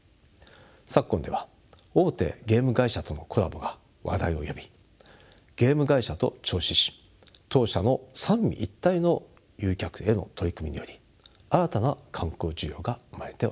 昨今では大手ゲーム会社とのコラボが話題を呼びゲーム会社と銚子市当社の三位一体の誘客への取り組みにより新たな観光需要が生まれております。